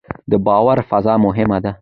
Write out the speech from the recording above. د باور فضا مهمه ده